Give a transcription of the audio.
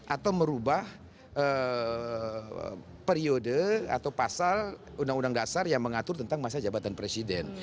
atau merubah periode atau pasal undang undang dasar yang mengatur tentang masa jabatan presiden